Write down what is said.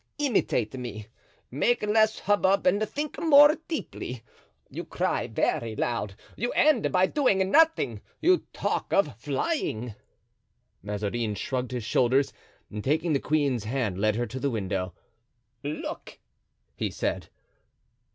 Imitate me. Make less hubbub and think more deeply. You cry very loud, you end by doing nothing; you talk of flying——" Mazarin shrugged his shoulders and taking the queen's hand led her to the window. "Look!" he said.